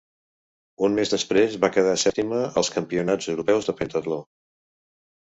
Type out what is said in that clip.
Un mes després va quedar sèptima als campionats europeus de pentatló.